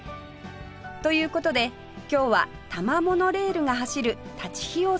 という事で今日は多摩モノレールが走る立飛を散歩